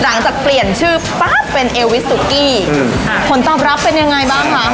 หลังจากเปลี่ยนชื่อปั๊บเป็นเอวิสุกี้อืมอ่าผลตอบรับเป็นยังไงบ้างคะ